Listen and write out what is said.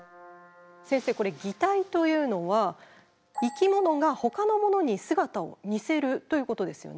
先生これ擬態というのは生き物が他のものに姿を似せるということですよね。